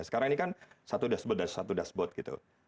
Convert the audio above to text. sekarang ini kan satu dashboard dari satu dashboard gitu